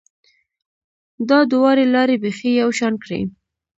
دا دواړې لارې بیخي یو شان کړې